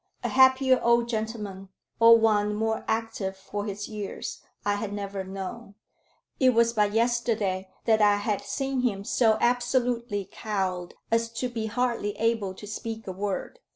A happier old gentleman, or one more active for his years, I had never known. It was but yesterday that I had seen him so absolutely cowed as to be hardly able to speak a word.